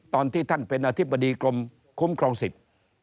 ตอนที่ท่านเป็นอธิบดีกรมคุ้มครองสิทธิ์